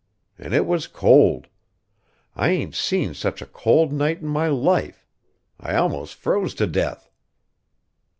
An' it was cold: I ain't seen such a cold night in my life. I almos' froze to death."